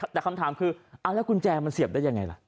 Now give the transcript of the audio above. แต่คำถามคือเอาแล้วกุญแจมันเสียบได้ยังไงล่ะ